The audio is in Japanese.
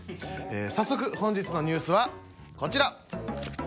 早速本日のニュースはこちら。